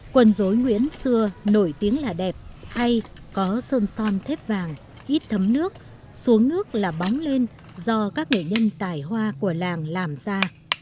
quân dối nguyễn xưa nổi tiếng là đẹp hay có sơn son thép vàng ít thấm nước xuống nước là bóng lên do các nghệ nhân tài hoa của làng làm ra